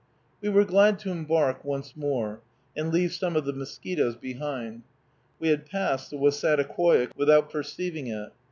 We were glad to embark once more, and leave some of the mosquitoes behind. We had passed the Wassataquoik without perceiving it.